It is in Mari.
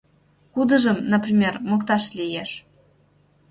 Кудыжым, например, мокташ лиеш?